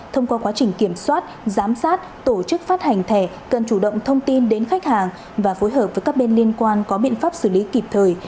thông qua quá trình kiểm soát giám sát tổ chức phát hành thẻ cần chủ động thông tin đến khách hàng và phối hợp với các bên liên quan có biện pháp xử lý kịp thời